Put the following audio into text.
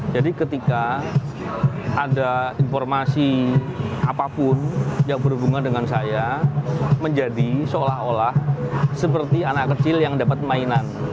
jadi ketika ada informasi apapun yang berhubungan dengan saya menjadi seolah olah seperti anak kecil yang dapat mainan